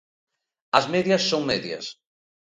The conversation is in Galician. As medias son medias.